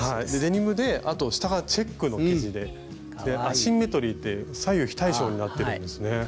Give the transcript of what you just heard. デニムであと下がチェックの生地でアシンメトリーで左右非対称になっているんですね。